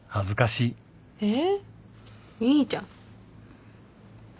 いいじゃん。